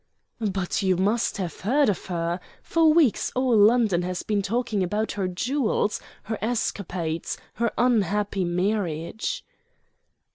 "But you must have heard of her! For weeks all London has been talking about her jewels, her escapades, her unhappy marriage."